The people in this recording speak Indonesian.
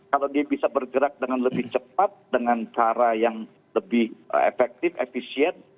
kalau dia bisa bergerak dengan lebih cepat dengan cara yang lebih efektif efisien